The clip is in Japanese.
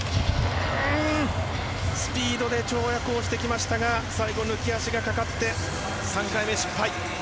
スピードで跳躍してきましたが最後、抜き足がかかって３回目、失敗。